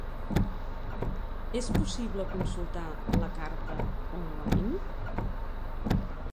És possible consultar la carta online?